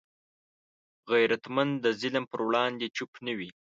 غیرتمند د ظلم پر وړاندې چوپ نه وي